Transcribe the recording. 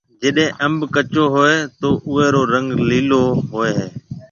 جيڏيَ انڀ ڪچو هوئي هيَ تو اوئي رو رنگ ليلو هوئي هيَ۔